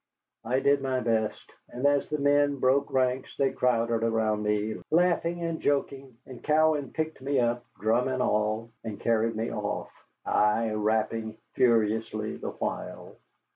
I did my best, and as the men broke ranks they crowded around me, laughing and joking, and Cowan picked me up, drum and all, and carried me off, I rapping furiously the while.